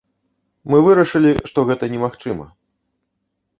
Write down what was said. Мы вырашылі, што гэта немагчыма.